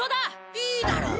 いいだろう！